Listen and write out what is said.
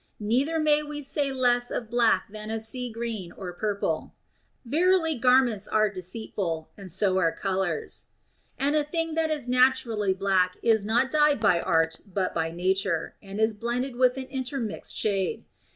Neither may we say less of black than of sea green or purple, " Verily garments are deceitful, and so are colors." And a thing that is naturally black is not dyed by art but by nature, and is blended with an intermixed shade.